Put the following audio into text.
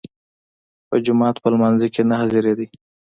په جماعت په لمانځه کې نه حاضرېدی.